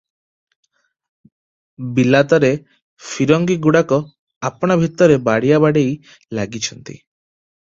ବିଲାତରେ ଫିରିଙ୍ଗୀଗୁଡାକ ଆପଣା ଭିତରେ ବାଡ଼ିଆବାଡ଼େଇ ଲାଗିଛନ୍ତି ।